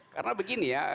karena begini ya